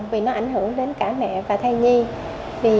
vì nó ảnh hưởng đến cả mẹ và thai nhi